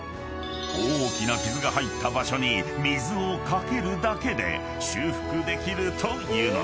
［大きな傷が入った場所に水を掛けるだけで修復できるというのだ］